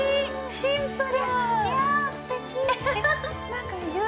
◆シンプルー。